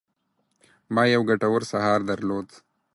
ما یو ګټور سهار درلود.